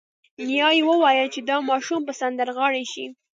نیا یې وویل چې دا ماشوم به سندرغاړی شي